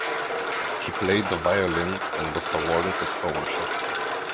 He played the violin and was awarded a scholarship.